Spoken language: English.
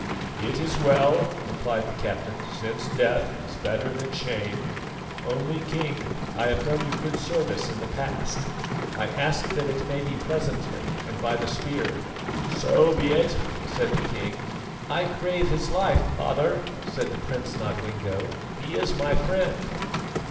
"It is well," replied the captain, "since death is better than shame. Only King, I have done you good service in the past; I ask that it may be presently and by the spear." "So be it," said the king. "I crave his life, father," said the Prince Nodwengo; "he is my friend."